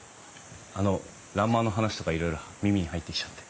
あの欄間の話とかいろいろ耳に入ってきちゃって。